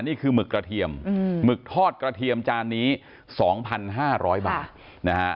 หมึกกระเทียมหมึกทอดกระเทียมจานนี้๒๕๐๐บาทนะฮะ